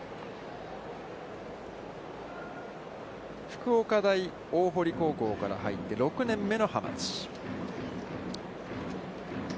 福岡大大濠高校から入って、６年目の浜地。